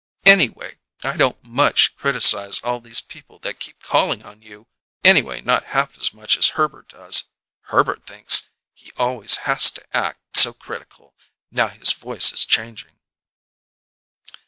Anyway, I don't much criticize all these people that keep calling on you anyway not half as much as Herbert does. Herbert thinks he always hass to act so critical, now his voice is changing."